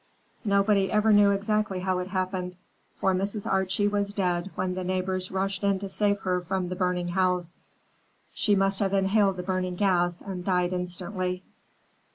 Nobody ever knew exactly how it happened, for Mrs. Archie was dead when the neighbors rushed in to save her from the burning house. She must have inhaled the burning gas and died instantly.